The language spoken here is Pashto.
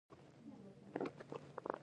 که څوک بې احترامي وکړي ټولنه یې ورټي.